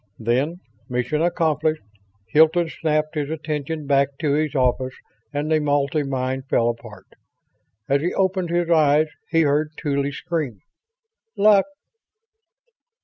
Then, mission accomplished, Hilton snapped his attention back to his office and the multi mind fell apart. As he opened his eyes he heard Tuly scream: "... Luck!"